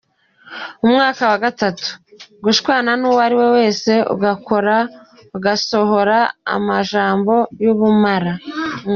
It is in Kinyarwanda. Umwaka wa gatatu: gushwana n'uwariwe wese, ugakara, ugasohora amajambo y'ubumara.